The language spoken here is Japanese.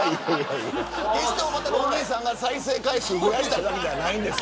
決して、おばたのお兄さんが再生回数を増やすためにやったんじゃないんです。